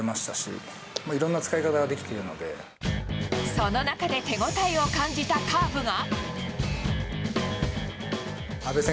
その中で手応えを感じたカーブが。